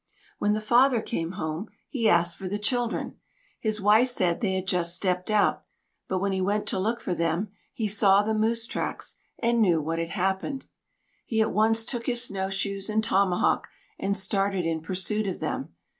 When the father came home, he asked for the children; his wife said they had just stepped out; but when he went to look for them, he saw the moose tracks, and knew what had happened. He at once took his snowshoes and tomahawk, and started in pursuit of them.